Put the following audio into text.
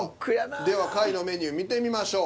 では下位のメニュー見てみましょう。